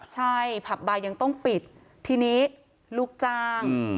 ใช่ผับบาร์ยังต้องปิดทีนี้ลูกจ้าง